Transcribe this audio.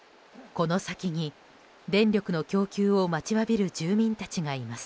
この先に電力の供給を待ちわびる住民たちがいます。